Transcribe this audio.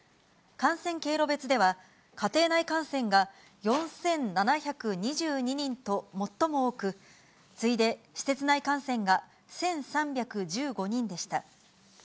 感染経路別では、家庭内感染が４７２２人と最も多く、次いで施設内感染が１３１５人でした。